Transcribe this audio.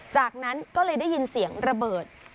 จากนั้นก็เลยได้ยินเสียงระเบิด